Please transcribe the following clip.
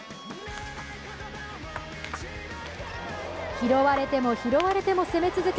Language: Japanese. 拾われても拾われても攻め続け